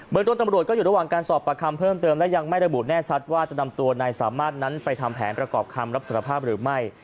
ต้นตำรวจก็อยู่ระหว่างการสอบประคำเพิ่มเติมและยังไม่ระบุแน่ชัดว่าจะนำตัวนายสามารถนั้นไปทำแผนประกอบคำรับสารภาพหรือไม่